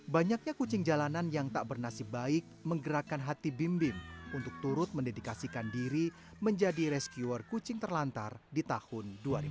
banyaknya kucing jalanan yang tak bernasib baik menggerakkan hati bim bim untuk turut mendedikasikan diri menjadi rescuer kucing terlantar di tahun dua ribu dua puluh